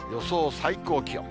最高気温。